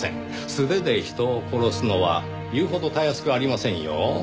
素手で人を殺すのは言うほどたやすくありませんよ。